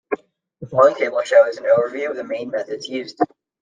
The following table shows an overview of the main methods used.